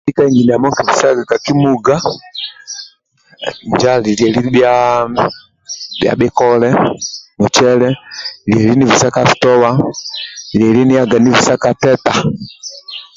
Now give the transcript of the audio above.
Lieli ka inji ndiamo nkibisaga ka kimuga, injo ali lieli bhia bhikole, mucele lieli nibisa ka store, lieli nihaga nibisa ka teta.